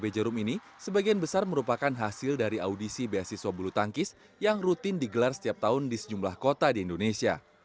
pb jarum ini sebagian besar merupakan hasil dari audisi beasiswa bulu tangkis yang rutin digelar setiap tahun di sejumlah kota di indonesia